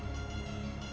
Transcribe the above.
pergi ke sana